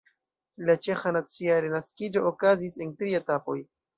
La ĉeĥa nacia renaskiĝo okazis en tri etapoj.